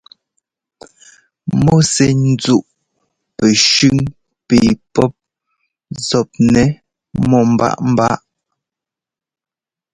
Mɔ sɛ́ ńzúꞌ pɛshʉ́ŋ pɛ pɔ́p zɔpnɛ́ mɔ́ mbaꞌámbaꞌá.